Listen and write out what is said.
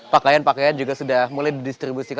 pakaian pakaian juga sudah mulai didistribusikan